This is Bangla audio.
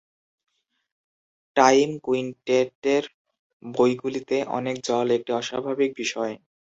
টাইম কুইন্টেটের বইগুলিতে অনেক জল একটি অস্বাভাবিক বিষয়।